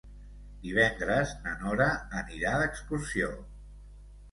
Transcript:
Divendres na Nora anirà d'excursió.